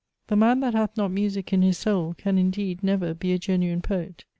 The man that hath not music in his soul can indeed never be a genuine poet.